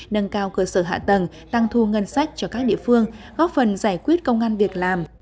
nâng cao cơ sở hạ tầng tăng thu ngân sách cho các địa phương góp phần giải quyết công an việc làm